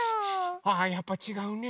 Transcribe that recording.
ああやっぱちがうね。